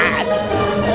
aduh aduh aduh